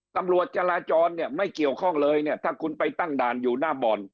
ตำรวจจราจรเนี่ยไม่เกี่ยวข้องเลยเนี่ยถ้าคุณไปตั้งด่านอยู่หน้าบ่อน